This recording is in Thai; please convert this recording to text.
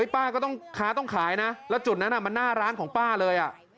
ป้าก็ต้องขายนะแล้วจุดนั้นมันน่าร้างของป้าเลย